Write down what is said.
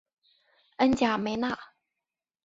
恩贾梅纳。